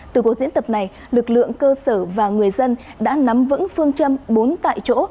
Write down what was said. từ cuộc diễn tập này lực lượng cơ sở và người dân đã nắm vững phương châm bốn tại chỗ